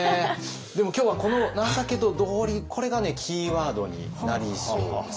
でも今日はこのこれがキーワードになりそうです。